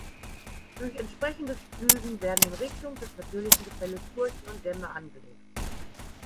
Durch entsprechendes Pflügen werden in Richtung des natürlichen Gefälles Furchen und Dämme angelegt.